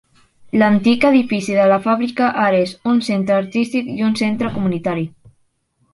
L'antic edifici de la fàbrica ara és un centre artístic i un centre comunitari.